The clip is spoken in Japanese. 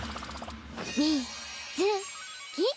み・ず・ぎ！